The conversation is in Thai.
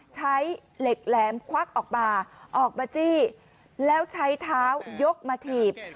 ใช้เหล็กแหลมควักออกมาออกมาจี้แล้วใช้เท้ายกมาถีบ